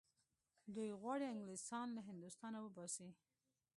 دوی غواړي انګلیسیان له هندوستانه وباسي.